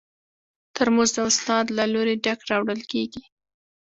ترموز د استاد له لوري ډک راوړل کېږي.